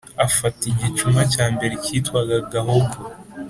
afata igicuma cya mbere cyitwaga gahogo